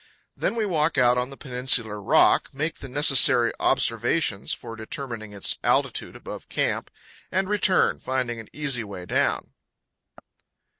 Then we walk out on the peninsular rock, make the necessary observations for determining its altitude above camp, and return, finding an easy way down.